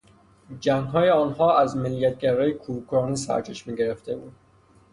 جنگهای آنها از ملیت گرایی کورکورانه سرچشمه گرفته بود.